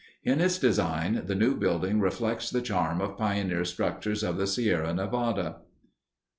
In its design the new building reflects the charm of pioneer structures of the Sierra Nevada.